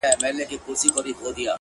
خپل ژوند د پوهې او عمل په رڼا جوړ کړئ